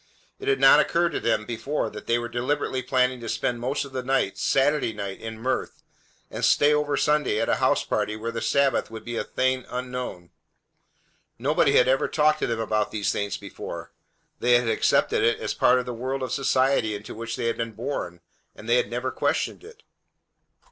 It had not occurred to them before that they were deliberately planning to spend most of the night, Saturday night, in mirth, and stay over Sunday at a house party where the Sabbath would be as a thing unknown. Nobody had ever talked to them about these things before. They had accepted it as a part of the world of society into which they had been born, and they had never questioned it.